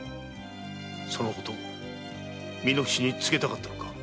その事を巳之吉に告げたかったのか？